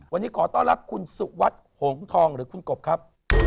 วันนี้ขอต้อนรับคุณสุวัสดิ์โหงทองหรือคุณกบครับ